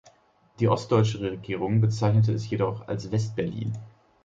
Die ostdeutsche Regierung bezeichnete es jedoch als „Westberlin“.